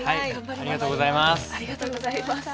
ありがとうございます。